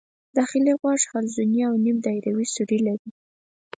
داخلي غوږ حلزوني او نیم دایروي سوري لري.